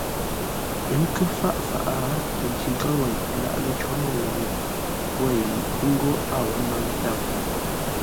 Ə́ nkə́ fâʼ faʼá tə ntikáŋ wêi lâʼ lə̂ cǒ môu ye wêi ńgó a wó ńnáŋ tâm.